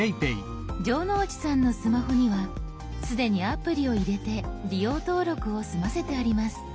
城之内さんのスマホには既にアプリを入れて利用登録を済ませてあります。